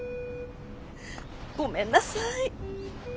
ごめんなさい。